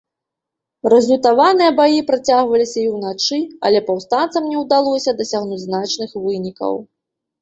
Разлютаваныя баі працягваліся і ўначы, але паўстанцам не ўдалося дасягнуць значных вынікаў.